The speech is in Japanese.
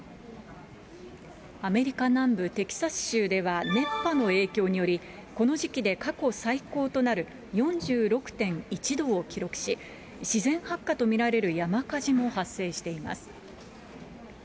アメリカ南部テキサス州では、熱波の影響により、この時期で過去最高となる４６．１度を記録し、自然発火と見られる山火事も発生しています。